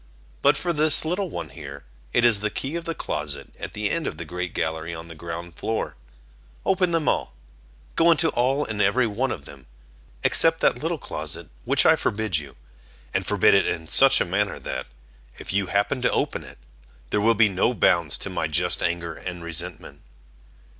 But for this little one here, it is the key of the closet at the end of the great gallery on the ground floor. Open them all; go into all and every one of them; except that little closet which I forbid you, and forbid it in such a manner that, if you happen to open it, there will be no bounds to my just anger and resentment."